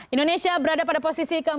indonesia berada pada posisi keempat belas